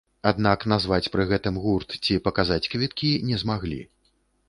Аднак назваць пры гэтым гурт ці паказаць квіткі, не змаглі.